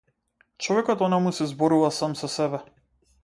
Човекот онаму си зборува сам со себе.